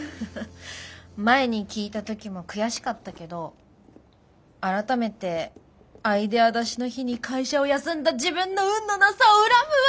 前に聞いた時も悔しかったけど改めてアイデア出しの日に会社を休んだ自分の運のなさを恨むわ。